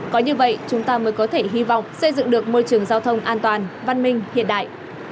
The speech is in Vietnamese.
có như vậy chúng ta mới có thể hy vọng xây dựng được môi trường giao thông an toàn văn minh hiện đại